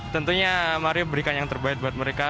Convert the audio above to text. tentunya mario memberikan yang terbaik buat mereka